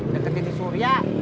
deketin si surya